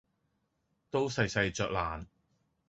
都細細嚼爛，